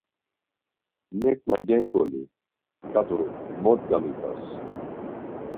Neǩna genǩoli, ǩat̆u mot gamit̆as.